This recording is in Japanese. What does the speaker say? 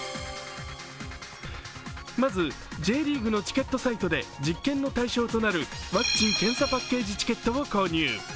まずＪリーグのチケットサイトで実験の対象となるワクチン・検査パッケージチケットを購入。